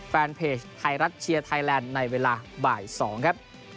แฟนเพจไทยรัฐเชียร์ไทยแลนด์ในเวลาบ่าย๒ครับ